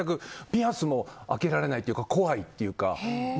ピアスも開けられないというか怖いというか。